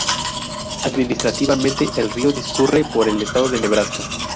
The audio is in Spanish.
Administrativamente, el río discurre por el estado de Nebraska.